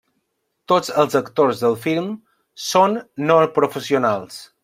Tots els actors del film són no-professionals.